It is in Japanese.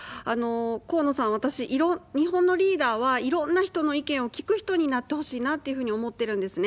河野さん、私、日本のリーダーはいろんな人の意見を聞く人になってほしいなっていうふうに思ってるんですね。